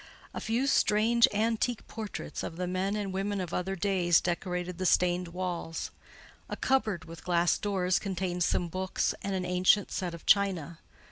A few strange, antique portraits of the men and women of other days decorated the stained walls; a cupboard with glass doors contained some books and an ancient set of china.